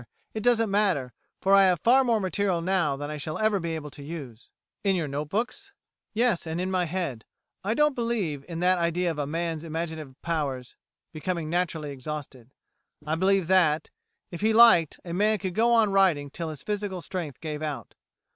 it doesn't matter, for I have far more material now than I shall ever be able to use." "In your note books?" "Yes, and in my head. I don't believe in that idea of man's imaginative powers becoming naturally exhausted; I believe that, if he liked, a man could go on writing till his physical strength gave out.